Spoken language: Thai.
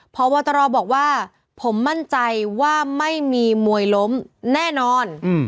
พบตรบอกว่าผมมั่นใจว่าไม่มีมวยล้มแน่นอน